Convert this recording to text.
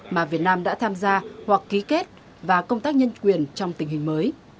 mà việt nam đã tham gia hoặc ký kết và công tác nhân quyền trong tình hình mới